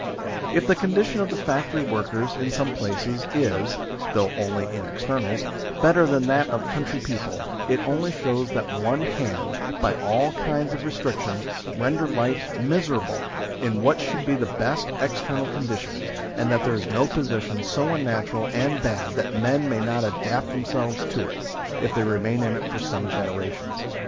If the condition of the factory workers, in some places, is (though only in externals) better than that of country people, it only shows that one can, by all kinds of restrictions, render life 44 THE SLAVERY OF OUR TIMES miserable, in what should be the best external conditions ; and that there is no position so unnatural and bad that men may not adapt themselves to it, if they remain in it for some generations.